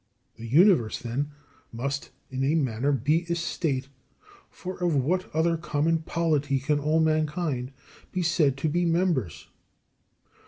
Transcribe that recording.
The Universe, then, must in a manner be a state, for of what other common polity can all mankind be said to be members?